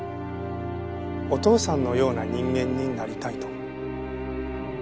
「お父さんのような人間になりたい」と。